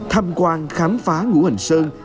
tham quan khám phá ngũ hành sơn